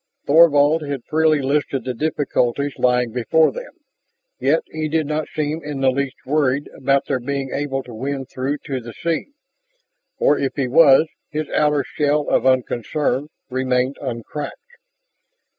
Thorvald had freely listed the difficulties lying before them. Yet he did not seem in the least worried about their being able to win through to the sea or if he was, his outer shell of unconcern remained uncracked.